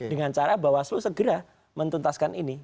dengan cara bawaslu segera mentuntaskan ini